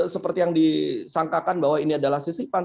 seperti yang disangkakan bahwa ini adalah sisipan